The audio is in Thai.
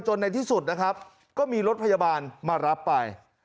จนในที่สุดก็มีรถพยาบาลมารับไป